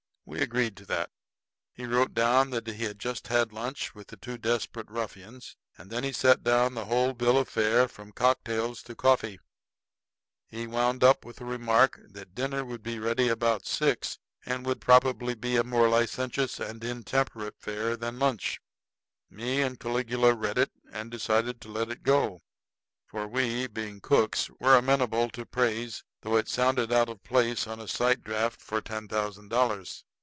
We agreed to that. He wrote down that he had just had lunch with the two desperate ruffians; and then he set down the whole bill of fare, from cocktails to coffee. He wound up with the remark that dinner would be ready about six, and would probably be a more licentious and intemperate affair than lunch. Me and Caligula read it, and decided to let it go; for we, being cooks, were amenable to praise, though it sounded out of place on a sight draft for ten thousand dollars.